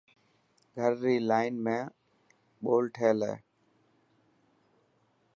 گهر ري لان ۾ ٻول ٺهيل هي.